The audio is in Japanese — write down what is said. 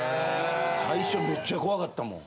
最初めっちゃ怖かったもん。